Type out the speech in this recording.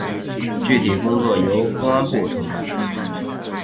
具体工作由公安部承担。